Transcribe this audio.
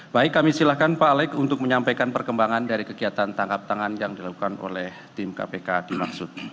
baik kami silakan pak alex untuk menyampaikan perkembangan dari kegiatan tangkap tangan yang dilakukan oleh tim kpk dimaksud